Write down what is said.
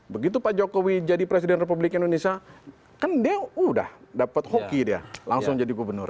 begitu pak jokowi jadi presiden republik indonesia kan dia udah dapat hoki dia langsung jadi gubernur